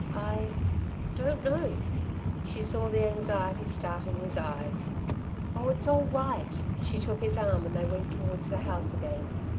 "I don't know!" She saw the anxiety start in his eyes. "Oh, it's all right!" She took his arm and they went towards the house again.